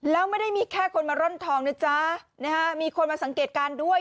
แล้วไม่ได้มีแค่คนมาร่อนทองนะจ๊ะนะฮะมีคนมาสังเกตการณ์ด้วย